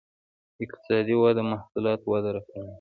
اقتصادي وده محصولات وده راکمېږي.